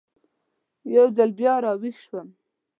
یو ځل بیا را ویښ شوم.